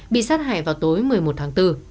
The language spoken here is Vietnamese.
bị sát hại vào tối một mươi một tháng bốn